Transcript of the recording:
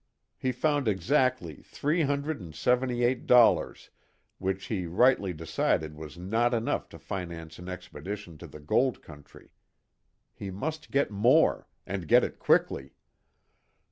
He found exactly three hundred and seventy eight dollars which he rightly decided was not enough to finance an expedition to the gold country. He must get more and get it quickly.